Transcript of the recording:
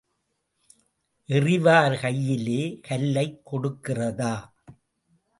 எறிவார் கையிலே கல்லைக் கொடுக்கிறதா?